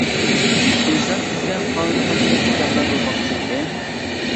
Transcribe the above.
ئىنسان تۈزگەن قانۇن قانچىلىك مۇكەممەل بولماقچى ئىدى.